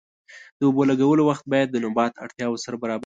د اوبو د لګولو وخت باید د نبات اړتیاوو سره برابر وي.